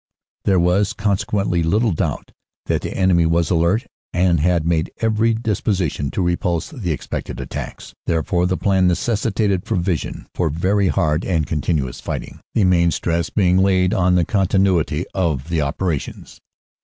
There was consequently little doubt that the enemy was alert, and had made every dis position to repulse the expected attacks. Therefore the plan necessitated provision for very hard and continuous fighting, the main stress being laid on the continuity of the operations.